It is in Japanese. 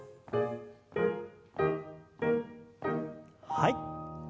はい。